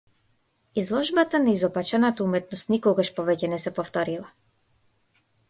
Изложбата на изопачената уметност никогаш повеќе не се повторила.